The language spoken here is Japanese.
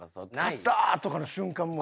勝ったー！とかの瞬間もう。